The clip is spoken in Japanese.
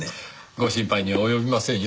ご心配には及びませんよ。